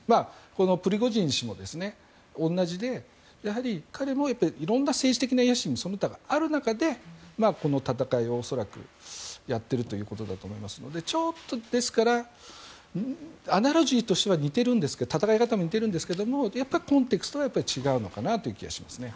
プリゴジン氏も同じでやはり彼も色んな政治的な野心やその他がある中でこの戦いを、恐らくやっているということだと思いますのでだからアナロジーとしては似てるんですけど戦い方も似てるんですがコンテクストが違うのかなという気がしますね。